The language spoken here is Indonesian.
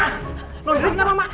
lo jadi apa ma